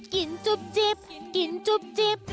จุ๊บจิ๊บกินจุ๊บจิ๊บ